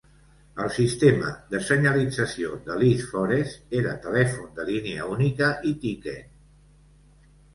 El sistema de senyalització de Liss Forest era telèfon de línia única i tiquet.